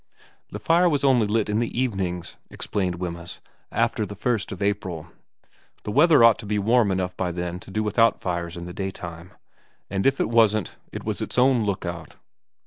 The fire was only lit in the evenings, explained Wemyss, after the 1st of April ; the weather ought to be warm enough by then to do without fires in the daytime, and if it wasn't it was its own look out.